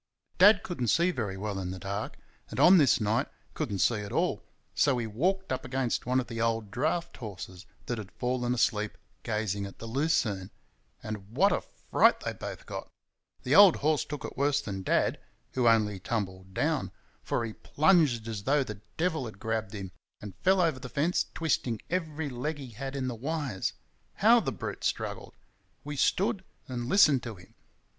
Dad could n't see very well in the dark, and on this night could n't see at all, so he walked up against one of the old draught horses that had fallen asleep gazing at the lucerne. And what a fright they both got! The old horse took it worse than Dad who only tumbled down for he plunged as though the devil had grabbed him, and fell over the fence, twisting every leg he had in the wires. How the brute struggled! We stood and listened to him.